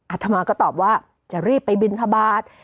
ธมาก็ตอบว่าจะรีบไปบินทบาท